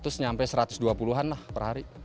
terus nyampe satu ratus dua puluh an lah per hari